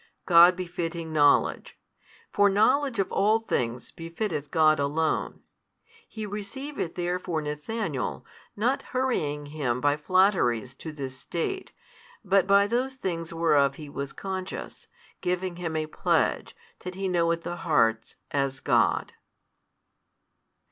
God befitting knowledge. For knowledge of all things befitteth God Alone. He receiveth therefore Nathanael, not hurrying him by flatteries to this state, but by those things whereof he was conscious, giving him a pledge, that he knoweth the hearts, as God.